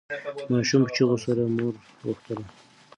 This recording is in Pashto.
ماشوم په چیغو سره مور غوښتله.